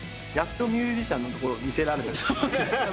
やっとミュージシャンのところを見せられる。